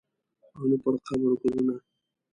او نه پرقبر ګلونه